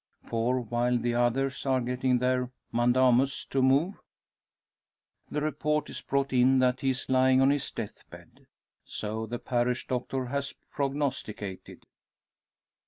For, while the others are getting their mandamus to move, the report is brought in that he is lying on his death bed! So the parish doctor has prognosticated.